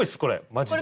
マジで。